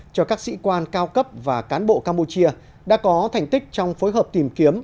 cho các sĩ quan cao cấp và cán bộ campuchia đã có thành tích trong phối hợp tìm kiếm